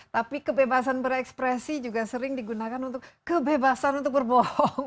tapi kebebasan berekspresi juga sering digunakan untuk kebebasan untuk berbohong